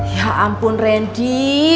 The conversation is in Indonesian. ya ampun rendy